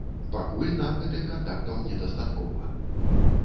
Пакуль нам гэтых кантактаў не дастаткова.